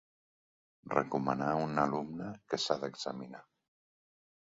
Recomanar un alumne que s'ha d'examinar.